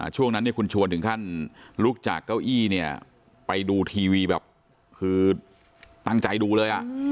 ช่วงนั้นเนี่ยคุณชวนถึงขั้นลุกจากเก้าอี้เนี่ยไปดูทีวีแบบคือตั้งใจดูเลย